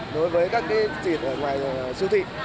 đối với các thịt ở ngoài siêu thị